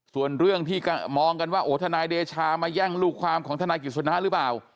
ส่วนเรื่องที่มองกันว่าโอ้ทนายเดชามาแย่งลูกความของทนายกิจสนะหรือเปล่า